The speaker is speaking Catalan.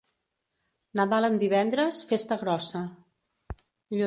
Nadal en divendres, festa grossa.